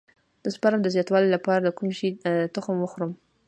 د سپرم د زیاتوالي لپاره د کوم شي تخم وخورم؟